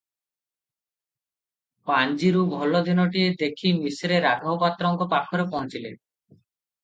ପାଞ୍ଜିରୁ ଭଲ ଦିନଟିଏ ଦେଖି ମିଶ୍ରେ ରାଘବ ପାତ୍ରଙ୍କ ପାଖରେ ପହଞ୍ଚିଲେ ।